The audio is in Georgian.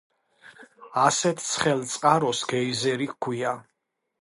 ასეთ ცხელ წყაროს გეიზერი ჰქვია.